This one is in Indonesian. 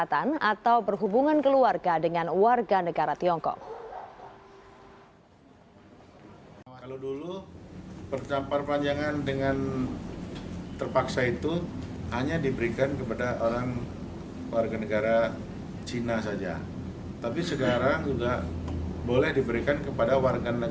yang memperbolehkan seluruh warga negara asing tidak terbatas hanya tiongkok untuk mengajukan izin tinggal di tiongkok daratan